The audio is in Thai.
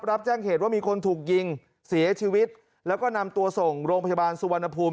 รับแจ้งเหตุว่ามีคนถูกยิงเสียชีวิตแล้วก็นำตัวส่งโรงพยาบาลสุวรรณภูมิ